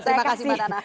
terima kasih mbak nana